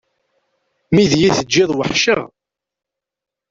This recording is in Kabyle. Mi d iyi-teǧǧiḍ weḥceɣ.